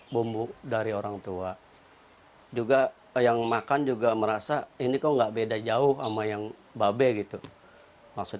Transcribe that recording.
bumbu dari orang tua juga yang makan juga merasa ini kok enggak beda jauh sama yang babe gitu maksud